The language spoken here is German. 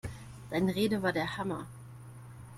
Deine Rede war der Hammer!